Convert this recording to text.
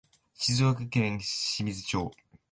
静岡県清水町